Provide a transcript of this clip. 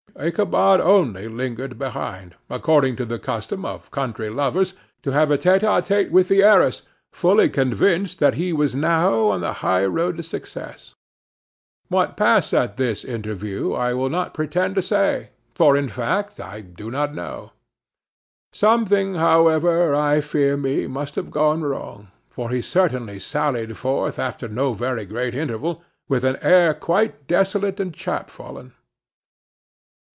Ichabod only lingered behind, according to the custom of country lovers, to have a tête à tête with the heiress; fully convinced that he was now on the high road to success. What passed at this interview I will not pretend to say, for in fact I do not know. Something, however, I fear me, must have gone wrong, for he certainly sallied forth, after no very great interval, with an air quite desolate and chapfallen.